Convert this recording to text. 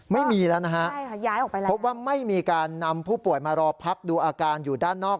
ไม่มีแล้วนะฮะพบว่าไม่มีการนำผู้ป่วยมารอพักดูอาการอยู่ด้านนอก